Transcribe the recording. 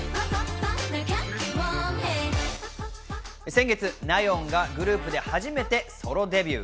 先月、ナヨンがグループで初めてソロデビュー。